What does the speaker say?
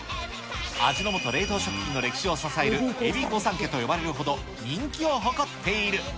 味の素冷凍食品の歴史を支えるエビ御三家と呼ばれるほど人気を誇っている。